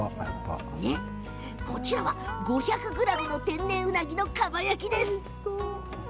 こちらは、５００ｇの天然ウナギのかば焼きです。